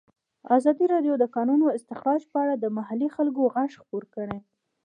ازادي راډیو د د کانونو استخراج په اړه د محلي خلکو غږ خپور کړی.